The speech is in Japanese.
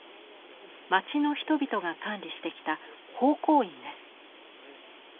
町の人々が管理してきた宝光院です。